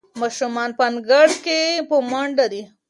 ماشومان په انګړ کې په منډو دي.